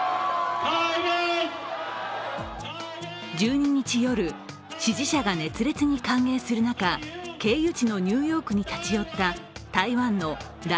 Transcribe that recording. １２日夜、支持者が熱烈に歓迎する中、経由地のニューヨークに立ち寄った台湾の頼